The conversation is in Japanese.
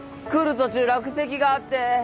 途中落石があって。